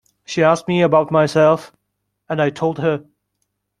She asked me about myself, and I told her.